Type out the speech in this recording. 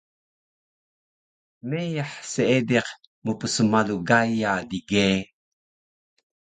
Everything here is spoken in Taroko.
Meyah seediq mpsmalu Gaya dige